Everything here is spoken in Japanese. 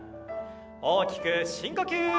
大きく深呼吸。